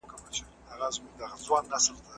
ماشوم په سوې ساه د خپل پلار د راتګ انتظار کاوه.